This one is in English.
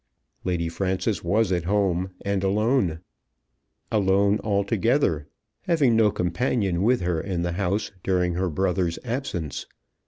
Lady Frances was at home and alone; alone altogether, having no companion with her in the house during her brother's absence.